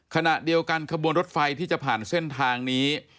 ขณะเดียวกันขบวนรถไฟที่จะผ่านเส้นทางนี้